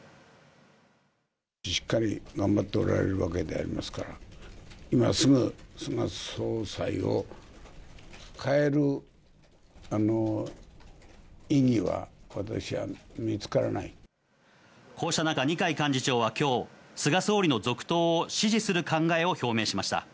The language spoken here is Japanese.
しっかり頑張っておられるわけでありますから、今すぐ菅総裁を変える意義は、こうした中、二階幹事長はきょう、菅総理の続投を支持する考えを表明しました。